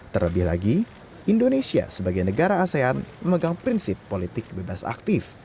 terlebih lagi indonesia sebagai negara asean memegang prinsip politik bebas aktif